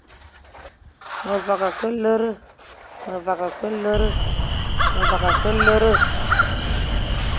Me vagha ke lere.